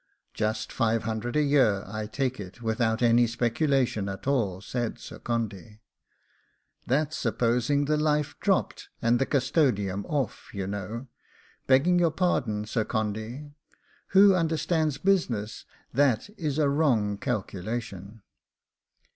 'Just five hundred a year, I take it, without any speculation at all,' said Sir Condy. 'That's supposing the life dropt, and the custodiam off, you know; begging your pardon, Sir Condy, who understands business, that is a wrong calculation.